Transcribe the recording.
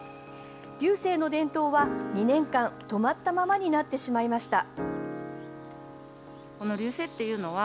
龍勢の伝統は２年間止まったままになってしまいました。